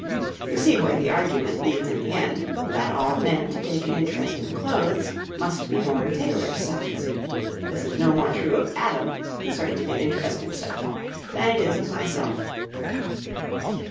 You see where the argument leads in the end: that all men to take an interest in clothes must be born tailors' sons. This is no more true of Adam, who certainly did interest himself, than it is of myself.